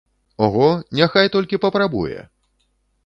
Ого, няхай толькі папрабуе!